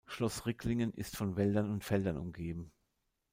Schloß Ricklingen ist von Wäldern und Feldern umgeben.